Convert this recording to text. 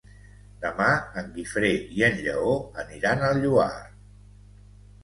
Demà en Guifré i en Lleó aniran al Lloar.